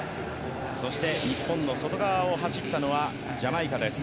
日本の外側を走ったのはジャマイカです。